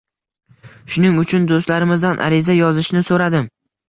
Shuning uchun do'stlarimdan ariza yozishni so'radim